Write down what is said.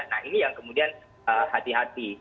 nah ini yang kemudian hati hati